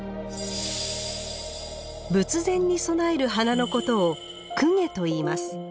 仏前に備える花のことを「供華」といいます。